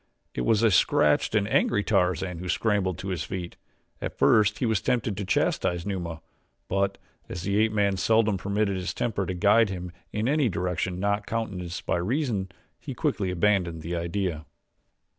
It was a scratched and angry Tarzan who scrambled to his feet. At first he was tempted to chastise Numa; but, as the ape man seldom permitted his temper to guide him in any direction not countenanced by reason, he quickly abandoned the idea.